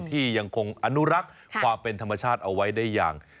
ที่ยังคงอนุรักษ์ความเป็นธรรมชาติเอาไว้ได้อย่าง